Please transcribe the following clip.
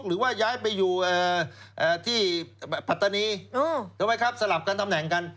หรือว่าย้ายไปอยู่ที่ผัฒณีก็ไปครับสลับตำแหน่งกัน